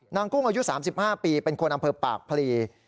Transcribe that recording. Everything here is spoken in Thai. กุ้งอายุ๓๕ปีเป็นคนอำเภอปากพลี